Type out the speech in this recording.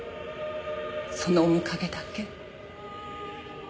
その面影だけ。